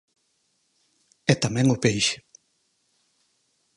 E tamén o peixe.